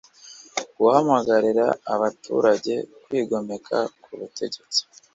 guhamagarira abaturage kwigomeka ku butegetsi